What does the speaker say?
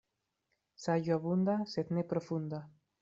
Saĝo abunda, sed ne profunda.